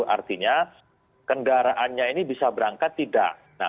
artinya kendaraannya ini bisa berangkat tidak